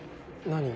何？